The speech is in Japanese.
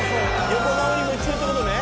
横顔に夢中って事ね。